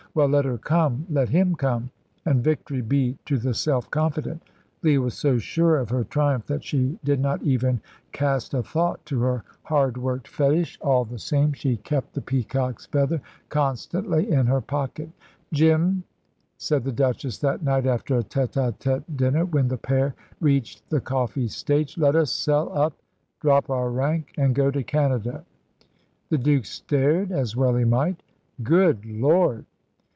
Well, let her come, let him come, and victory be to the self confident. Leah was so sure of her triumph that she did not even cast a thought to her hard worked fetish. All the same, she kept the peacock's feather constantly in her pocket. "Jim," said the Duchess that night, after a tête à tête dinner, when the pair reached the coffee stage, "let us sell up, drop our rank, and go to Canada." The Duke stared, as well he might. "Good Lord!"